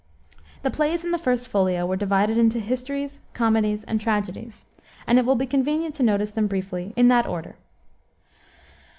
The plays in the First Folio were divided into histories, comedies, and tragedies, and it will be convenient to notice them briefly in that order.